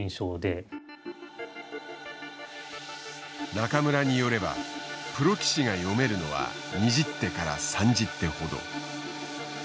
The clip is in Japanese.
中村によればプロ棋士が読めるのは２０手から３０手ほど。